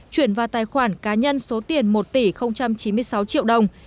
chuyển vào tài khoản cá nhân số tiền một tỷ chín mươi sáu triệu đồng